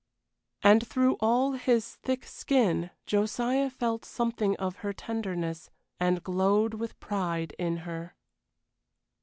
And through all his thick skin Josiah felt something of her tenderness, and glowed with pride in her.